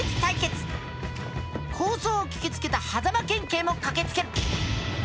抗争を聞きつけた狭間県警も駆けつける。